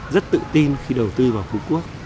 rất tự tin khi đầu tư vào phú quốc